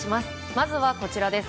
まずはこちらです。